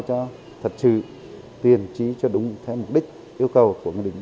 thì sau khi nhận được phản ánh của phóng viên